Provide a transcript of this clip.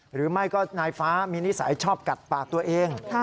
หรือไม่ก็นายฟ้ามีนิสัยชอบกัดปากตัวเอง